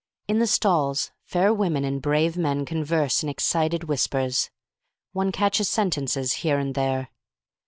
In the stalls fair women and brave men converse in excited whispers. One catches sentences here and there.